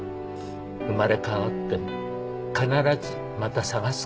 「生まれ変わっても必ずまた探すからね」